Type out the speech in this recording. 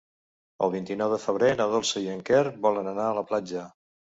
El vint-i-nou de febrer na Dolça i en Quer volen anar a la platja.